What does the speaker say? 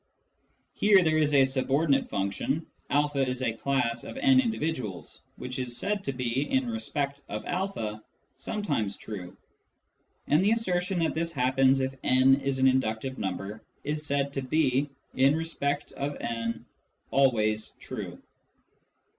Here there is a subordinate function, " a is a class of n individuals," which is said to be, in respect of a, sometimes true ; and the assertion that this happens if n is an inductive number is said to be, in respect of n, always true.